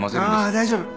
あ大丈夫。